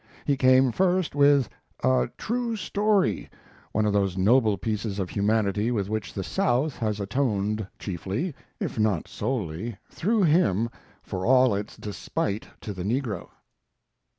He came first with "A True Story," one of those noble pieces of humanity with which the South has atoned chiefly, if not solely, through him for all its despite to the negro.